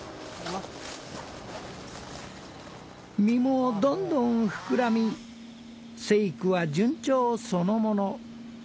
実もどんどん膨らみ生育は順調そのもの。